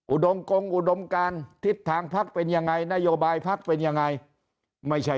อุดมกงอุดมการทิศทางพักเป็นยังไงนโยบายพักเป็นยังไงไม่ใช่